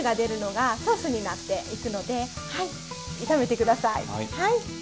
はい。